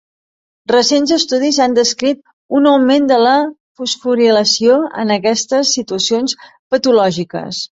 Recents estudis han descrit un augment de la fosforilació en aquestes situacions patològiques.